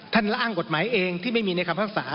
ร่างกฎหมายเองที่ไม่มีในคำภาษา